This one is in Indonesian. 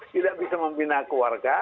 tidak bisa membina keluarga